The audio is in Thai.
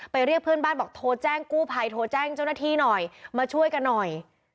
เรียกเพื่อนบ้านบอกโทรแจ้งกู้ภัยโทรแจ้งเจ้าหน้าที่หน่อยมาช่วยกันหน่อย